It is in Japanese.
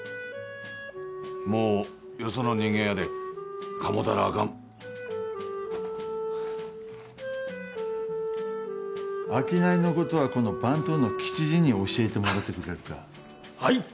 もうよその人間やでかもうたらアカン商いのことはこの番頭のキチ次に教えてもろてくれるかはい！